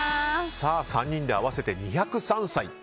３人で合わせて２０３歳。